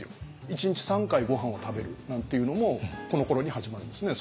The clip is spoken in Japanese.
１日３回ごはんを食べるなんていうのもこのころに始まるんですね。